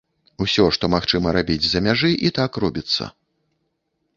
Усё, што магчыма рабіць з-за мяжы, і так робіцца.